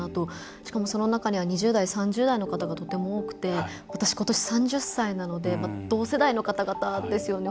しかもその中には２０代、３０代の方がとても多くて私、ことし３０歳なので同世代の方々ですよね。